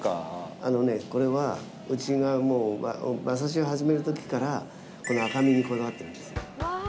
あのねこれはうちがもう馬刺しを始めるときからこの赤身にこだわってます。